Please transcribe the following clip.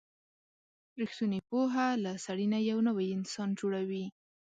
رښتینې پوهه له سړي نه یو نوی انسان جوړوي.